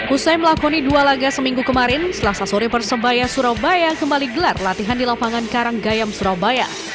usai melakoni dua laga seminggu kemarin selasa sore persebaya surabaya kembali gelar latihan di lapangan karanggayam surabaya